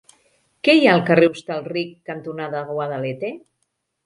Què hi ha al carrer Hostalric cantonada Guadalete?